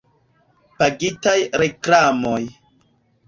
Pagitaj reklamoj.